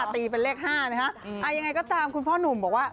แต่ยังไงก็ตามคุณพ่อหนุ่มบอกว่า